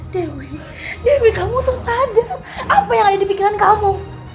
dewi dewi kamu tuh sadar apa yang ada di pikiran kamu